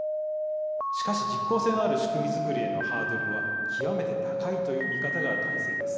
しかし実効性のある仕組みづくりへのハードルは極めて高いという見方が大勢です。